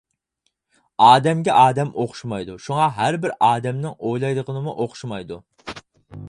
ئادەمگە ئادەم ئوخشىمايدۇ، شۇڭا ھەر بىر ئادەمنىڭ ئويلايدىغىنىمۇ ئوخشىمايدۇ.